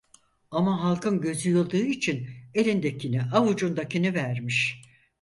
Ama halkın gözü yıldığı için elindeki ni avucundakini vermiş.